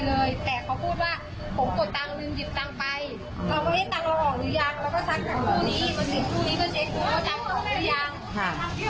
แล้วก็ไปถามพี่สาวว่าข้อมูลการตังค์ตังค์ขึ้นไหมค่ะ